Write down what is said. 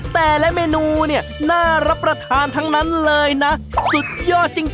แต่ละเมนูเนี่ยน่ารับประทานทั้งนั้นเลยนะสุดยอดจริง